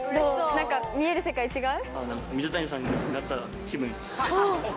何か見える世界違う？